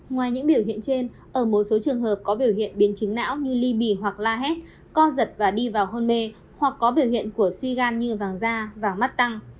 ngoài những biểu hiện trên ở một số trường hợp có biểu hiện biến chứng não như ly bì hoặc la hét co giật và đi vào hôn mê hoặc có biểu hiện của suy gan như vàng da vàng mắt tăng